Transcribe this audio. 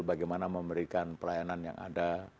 bagaimana memberikan pelayanan yang ada